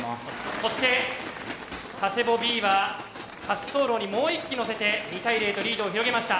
そして佐世保Ｂは滑走路にもう一機のせて２対０とリードを広げました。